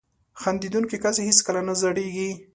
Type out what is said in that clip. • خندېدونکی کس هیڅکله نه زړېږي.